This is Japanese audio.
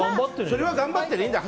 それは頑張ってねでいいんだよ